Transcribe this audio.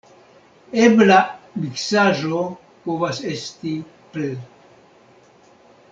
Ebla miksaĵo povas esti pl.